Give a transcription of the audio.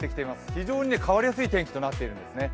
非常に変わりやすい天気となっているんですね。